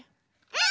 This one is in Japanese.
うん！